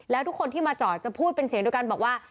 แล้วทุกคนที่มาจอดจะพูดเป็นเสียงเดียวกันบอกว่า